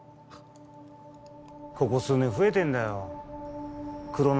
ここ数年増えてんだよクロ